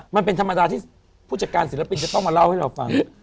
มันเป็นธรรมดาที่ผู้จัดการศิลปินจะต้องมาเล่าให้เราฟัง